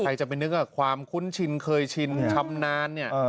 ใครจะไปนึกความคุ้นชินเคยชินชำนาญเนี่ย